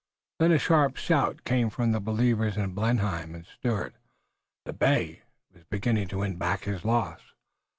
Then a sharp shout came from the believers in Blenheim and Stuart. The bay was beginning to win back his loss.